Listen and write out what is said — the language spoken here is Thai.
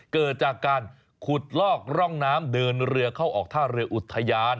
เกิดจากการขุดลอกร่องน้ำเดินเรือเข้าออกท่าเรืออุทยาน